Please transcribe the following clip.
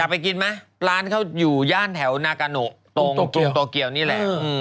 ไปกินไหมร้านเขาอยู่ย่านแถวนากาโนตรงโตเกียวนี่แหละ